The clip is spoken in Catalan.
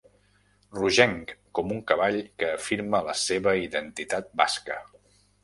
Rogenc com un cavall que afirma la seva identitat basca.